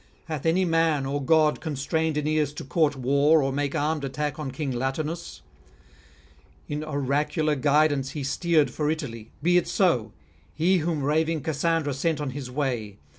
Hath any man or god constrained Aeneas to court war or make armed attack on King Latinus? In oracular guidance he steered for Italy: be it so: he whom raving Cassandra sent on his way!